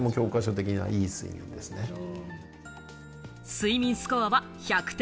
睡眠スコアは１００点